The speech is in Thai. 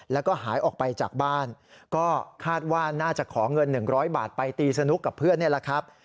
แล้วก็หายออกไปจากบ้านก็คาดว่าน่าจะขอเงิน๑๐๐บาทไปตีสนุกกับเพื่อนนี่แหละครับ